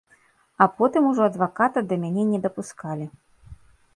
А потым ужо адваката да мяне не дапускалі.